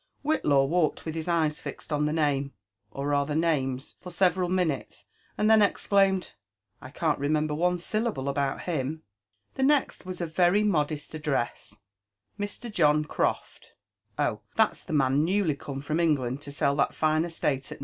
Whillaw walked with his eyes fixed on the name, or rather names, for aeveral minutes, and then exclaimed, I can't remember one syllable about hlml" The next was a very modest address, — Mr. John Croft. " Oh ! «tha.t'<s the man newly come from England to sell that fine estate at